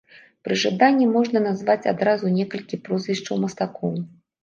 Пры жаданні можна назваць адразу некалькі прозвішчаў мастакоў.